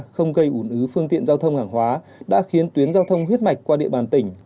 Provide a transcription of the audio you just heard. không gây ủn ứ phương tiện giao thông hàng hóa đã khiến tuyến giao thông huyết mạch qua địa bàn tỉnh